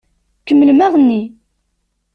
Kemmlem aɣenni!